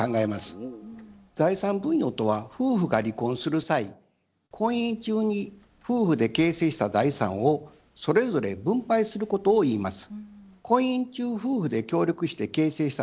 財産分与とは夫婦が離婚する際婚姻中に夫婦で形成した財産をそれぞれ分配することをいいます。